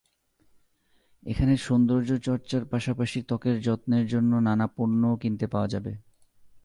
এখানে সৌন্দর্যচর্চার পাশাপাশি ত্বকের যত্নের জন্য নানা পণ্যও কিনতে পাওয়া যাবে।